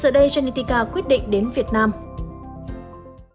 giờ đây genetica quyết định đến việt nam